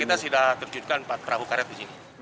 kita sudah terjunkan empat perahu karet di sini